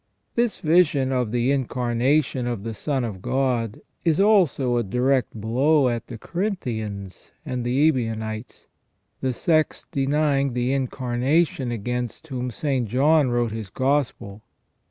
This vision of the Incarnation of the Son of God is also a direct blow at the Corinthians and the Ebionites, the sects denying the Incarnation against whom St. John wrote his Gospel.